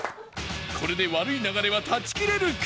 これで悪い流れは断ち切れるか？